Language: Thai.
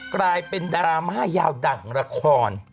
กลายเป็นดราม่ายาวดั่งละคร